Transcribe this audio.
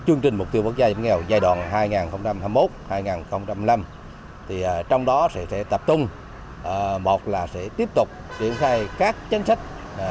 chương trình mục tiêu quốc gia giảm nghèo giai đoạn hai nghìn hai mươi một hai nghìn hai mươi năm trong đó sẽ tập trung một là sẽ tiếp tục triển khai các chính sách